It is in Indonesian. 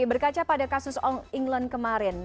berkaca pada kasus england kemarin